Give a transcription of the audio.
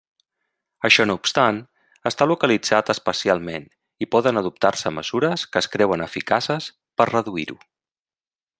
Això no obstant, està localitzat espacialment i poden adoptar-se mesures que es creuen eficaces per a reduir-ho.